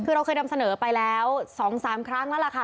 คือเราเคยนำเสนอไปแล้ว๒๓ครั้งแล้วล่ะค่ะ